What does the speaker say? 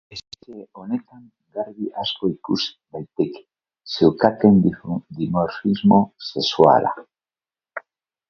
Espezie honetan garbi asko ikus daiteke zeukaten dimorfismo sexuala.